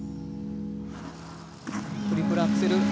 トリプルアクセル。